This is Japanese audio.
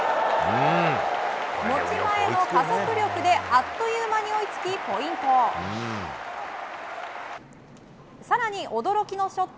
持ち前の加速力であっという間に追いつきポイント。